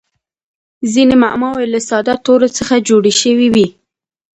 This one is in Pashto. ځیني معماوي له ساده تورو څخه جوړي سوي يي.